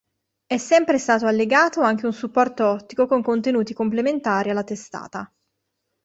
È sempre stato allegato anche un supporto ottico con contenuti complementari alla testata.